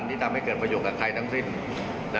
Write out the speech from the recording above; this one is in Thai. ที่ทำให้เกิดประโยชน์กับใครทั้งสิ้น